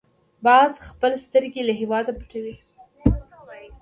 باز خپلې سترګې له هېواده پټوي